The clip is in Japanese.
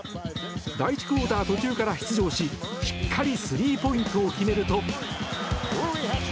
第１クオーター途中から出場ししっかりスリーポイントを決めると。